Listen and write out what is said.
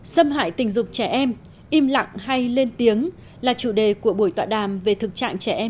xâm hại tình dục trẻ em im lặng hay lên tiếng là chủ đề của buổi tọa đàm về thực trạng trẻ em